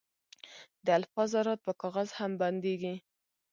د الفا ذرات په کاغذ هم بندېږي.